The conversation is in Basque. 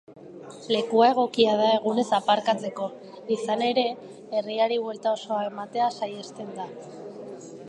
Lekua egokia da egunez aparkatzeko, izan ere herriari buelta osoa ematea sahiesten da.